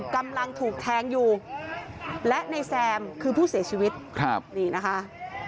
แคมคือผู้เสียชีวิตนี่นะคะ